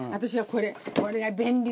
これが便利でさ。